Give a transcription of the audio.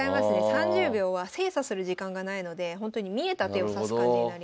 ３０秒は精査する時間がないのでほんとに見えた手を指す感じになります。